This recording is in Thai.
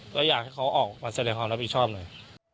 ก็อยากให้เขาออกมาแสดงความรับผิดชอบหน่อย